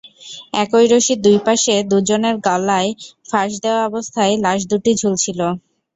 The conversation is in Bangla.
একই রশির দুই পাশে দুজনের গালায় ফাঁস দেওয়া অবস্থায় লাশ দুটি ঝুলছিল।